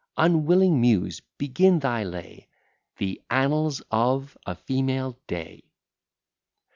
Unwilling Muse, begin thy lay, The annals of a female day.